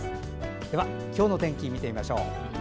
では今日の天気を見てみましょう。